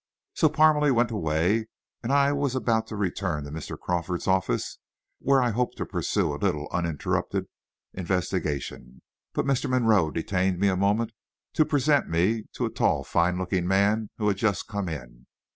So Parmalee went away, and I was about to return to Mr. Crawford's office where I hoped to pursue a little uninterrupted investigation. But Mr. Monroe detained me a moment, to present me to a tall, fine looking man who had just come in.